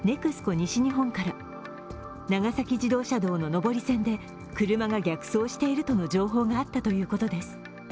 西日本から長崎自動車道の上り線で車が逆走しているとの情報があったということです。